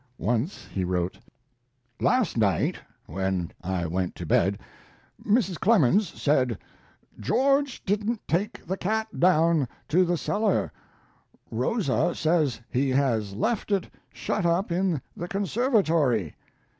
Once he wrote: Last night, when I went to bed, Mrs. Clemens said, "George didn't take the cat down to the cellar; Rosa says he has left it shut up in the conservatory."